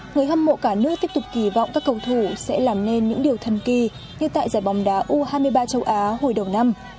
người hâm mộ cả nước tiếp tục kỳ vọng các cầu thủ sẽ làm nên những điều thần kỳ như tại giải bóng đá u hai mươi ba châu á hồi đầu năm